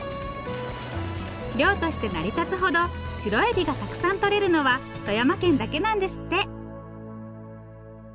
漁として成り立つほどシロエビがたくさんとれるのは富山県だけなんですって。